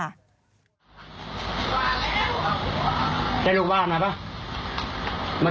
คุณอยากโทรหาลูกบ้านมั้ย